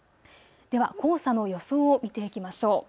では黄砂の予想を見ていきましょう。